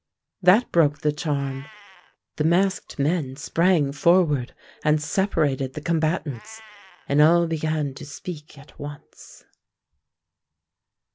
That broke the charm. The masked men sprang forward and separated the combatants, and all began to speak at once.